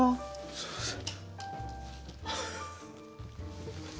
すみません。